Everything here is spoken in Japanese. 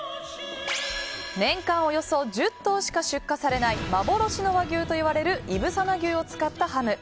年間およそ１０頭しか出荷されない幻の和牛といわれるいぶさな牛を使ったハム。